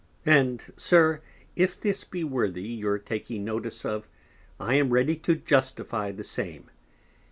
And SIR, if this be worthy your taking Notice of, I am ready to justify the same.